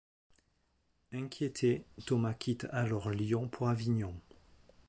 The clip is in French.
Inquiété, Thomas quitte alors Lyon pour Avignon.